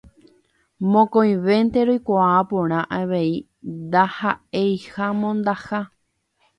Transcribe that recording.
Mokõivénte roikuaa porã avei ndaha'eiha mondaha.